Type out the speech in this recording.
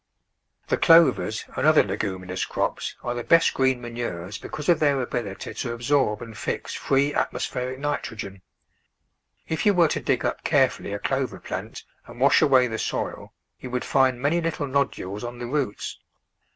The clovers and other leguminous crops are the best green manures because of their ability to absorb and fix free atmospheric nitrogen. If you THE VEGETABLE GARDEN were to dig up carefully a clover plant and wash away the soil you would find many little nodules on the roots.